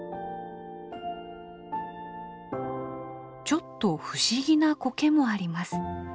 ちょっと不思議なコケもあります。